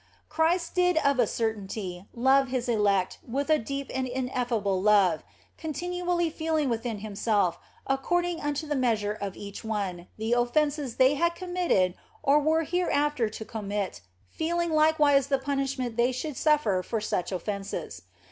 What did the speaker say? Christ did of a certainty love His elect with a deep and ineffable love, continually feeling within Himself, according unto the measure of each one, the offences they had committed or were hereafter to commit, feeling likewise the punishment they should suffer for such offences.